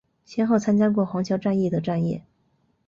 先后参加过黄桥战役等战役。